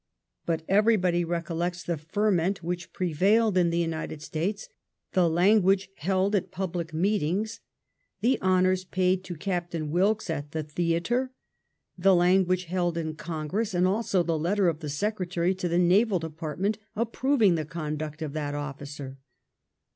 Bat everybody recollects the ferment which prevailed in the United States, the language held at public meetings, the honours paid to Gaptain Wilkes at the Theatre, the language held in Congress, «nd also the letter of the Secretary to the Naval Department, approving the conduct of that officer.